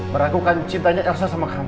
meragukan cintanya elsa sama kamu